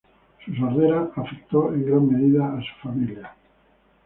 Su sordera afectó en gran medida a su familia.